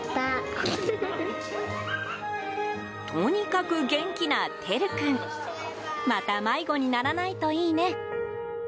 とにかく元気な、てる君また迷子にならないといいね。